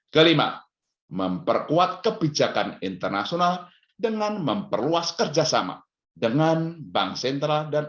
kelima memperkuat kebijakan internasional dengan memperluas kerjasama dengan bank sentral dan